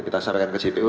kita sampaikan ke cpu